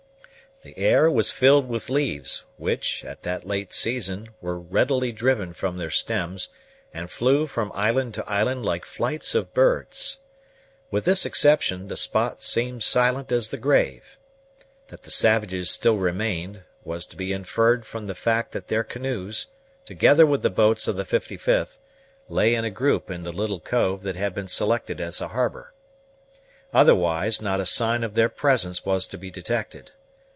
The air was filled with leaves, which, at that late season, were readily driven from their stems, and flew from island to island like flights of birds. With this exception, the spot seemed silent as the grave. That the savages still remained, was to be inferred from the fact that their canoes, together with the boats of the 55th, lay in a group in the little cove that had been selected as a harbor. Otherwise, not a sign of their presence was to be detected.